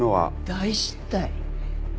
大失態。